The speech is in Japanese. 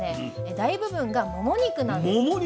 大部分がモモ肉なんですね。